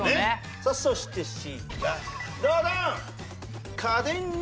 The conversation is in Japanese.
さあそしてＣがドドン！